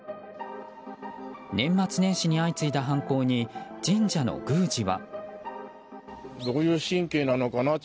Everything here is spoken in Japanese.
年末年始に相次いだ犯行に神社の宮司は。